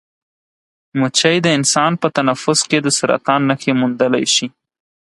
مچۍ د انسان په تنفس کې د سرطان نښې موندلی شي.